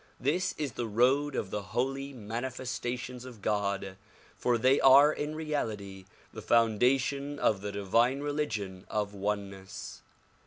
This is the road of the holy manifestations of God for they are in reality the founda tion of the divine religion of oneness.